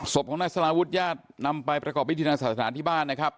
ศพของนายสลาวุฒิญาตินำไปประกอบพิธีทางศาสนาที่บ้านนะครับ